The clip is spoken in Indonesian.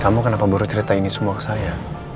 kamu kenapa baru cerita ini semua ke saya